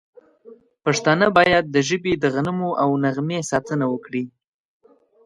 پښتانه باید د ژبې د غنمو او نغمې ساتنه وکړي.